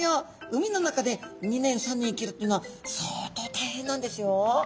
海の中で２年３年生きるっていうのは相当大変なんですよ。